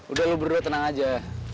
udah lu berdua tenang aja